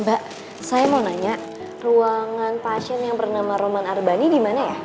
mbak saya mau nanya ruangan pasien yang bernama roman arbani di mana ya